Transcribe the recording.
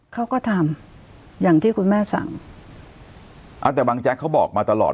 เขาก็ทำอย่างที่คุณแม่สั่งอ่าแต่บางแจ๊กเขาบอกมาตลอด